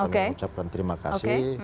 kami ucapkan terima kasih